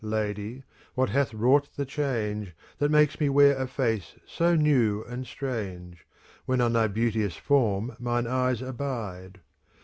Lady, what hath wrought the change. That makes me wear a face so new and strange, When on thy beauteous form mine eyes abide.